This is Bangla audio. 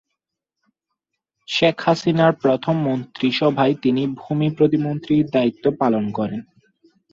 শেখ হাসিনার প্রথম মন্ত্রিসভায় তিনি ভূমি প্রতিমন্ত্রীর দায়িত্ব পালন করেন।